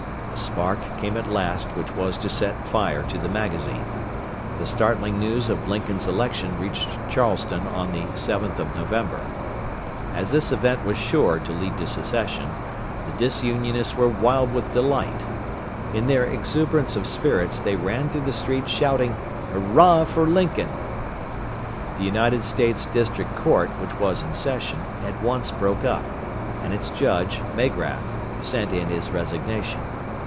The spark came at last which was to set fire to the magazine. The startling news of Lincoln's election reached Charleston on the 7th of November. As this event was sure to lead to secession, the Disunionists were wild with delight. In their exuberance of spirits, they ran through the streets shouting "Hurra for Lincoln!" The United States District Court, which was in session, at once broke up, and its judge, Magrath, sent in his resignation.